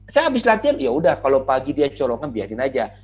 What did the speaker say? saya habis latihan yaudah kalau pagi dia colongan biarin aja